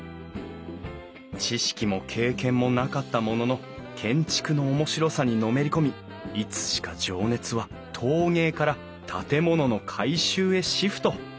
知識も経験もなかったものの建築の面白さにのめりこみいつしか情熱は陶芸から建物の改修へシフト。